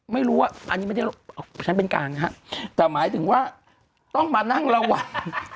ไม่รู้ว่าอันนี้ไม่ได้ใช้เป็นกลางนะฮะแต่หมายถึงว่าต้องมานั่งระวัง